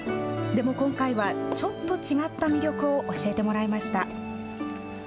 でも今回はちょっと違った魅力を教えてもらいました。